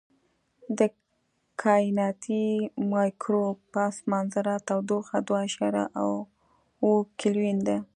د کائناتي مایکروویو پس منظر تودوخه دوه اعشاریه اووه کیلوین ده.